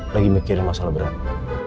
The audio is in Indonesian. lagi mikirin masalah berapu